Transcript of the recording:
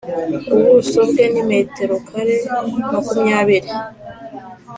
ubuso bwe ni metero kare makumyabiri